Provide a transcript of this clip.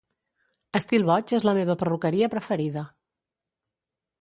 Estil Boig és la meva perruqueria preferida